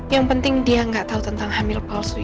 yang penting dia gak tahu tentang hamil palsu ini